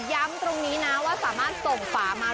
ย้ำตรงนี้นะว่าสามารถส่งฝามา